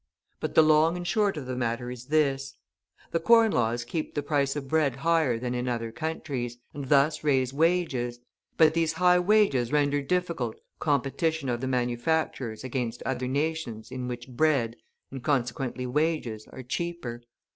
But the long and short of the matter is this: the Corn Laws keep the price of bread higher than in other countries, and thus raise wages, but these high wages render difficult competition of the manufacturers against other nations in which bread, and consequently wages, are cheaper.